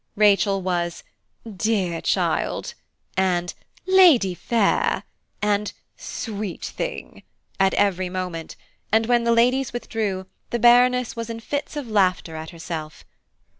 Rachel was, "dear child," and "lady fair," and "sweet thing," at every moment, and when the ladies withdrew, the Baroness was in fits of laughter at herself.